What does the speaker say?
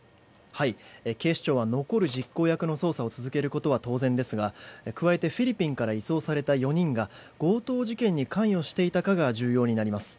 警視庁は残る実行役の捜査を続けることは当然ですが加えてフィリピンから移送された４人が強盗事件に関与していたかが重要になります。